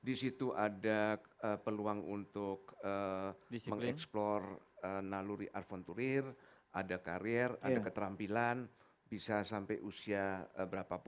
di situ ada peluang untuk mengeksplor naluri arvonturir ada karir ada keterampilan bisa sampai usia berapapun